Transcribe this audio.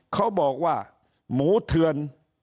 เขาบอกว่าหมูเถือน